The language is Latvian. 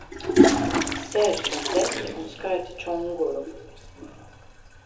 Sēž zem deķa un skaita čunguru.